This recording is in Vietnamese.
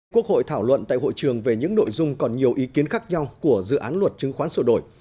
quốc hội thảo luận tại hội trường về những nội dung còn nhiều ý kiến khác nhau của dự án luật chứng khoán sổ đổi